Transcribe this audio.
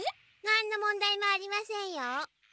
何の問題もありませんよ。